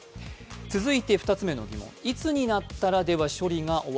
続いて２つ目の疑問です。